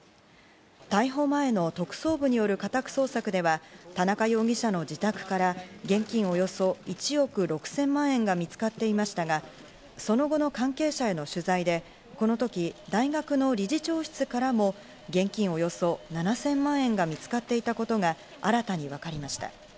逮捕前の特捜部による家宅捜索では、田中容疑者の自宅から現金およそ１億６０００万円が見つかっていましたが、その後の関係者への取材で、この時、大学の理事長室からも現金およそ７０００万円が見つかっていたことが新たに分かりました。